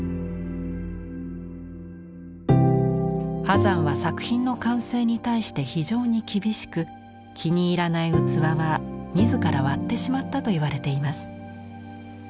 波山は作品の完成に対して非常に厳しく気に入らない器は自ら割ってしまったといわれています。